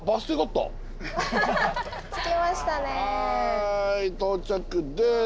はい到着です。